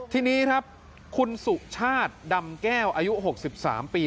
ทีนี้ครับคุณสุชาติดำแก้วอายุหกสิบสามปี